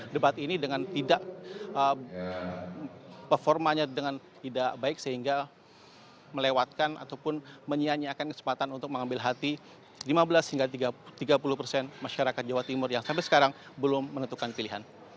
debat ini dengan tidak performanya dengan tidak baik sehingga melewatkan ataupun menyianyikan kesempatan untuk mengambil hati lima belas hingga tiga puluh persen masyarakat jawa timur yang sampai sekarang belum menentukan pilihan